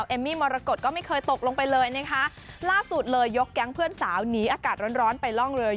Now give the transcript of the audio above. เออเอาไป